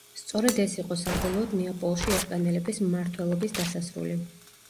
სწორედ ეს იყო საბოლოოდ ნეაპოლში ესპანელების მმართველობის დასასრული.